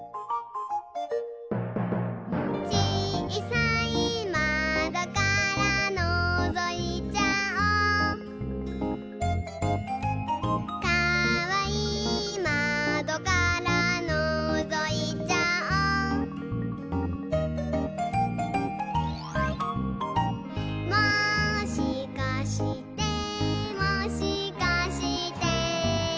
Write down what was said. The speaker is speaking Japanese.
「ちいさいまどからのぞいちゃおう」「かわいいまどからのぞいちゃおう」「もしかしてもしかして」